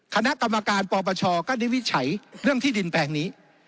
คณะกรรมการปปชก็ได้วิจัยเรื่องที่ดินแปลงนี้